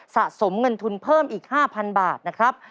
สะสมเงินทุนเพิ่มอีก๕๐๐บาทนะครับ